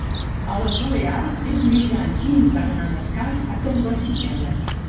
A les Balears és migrant i hivernant escàs a tot l'arxipèlag.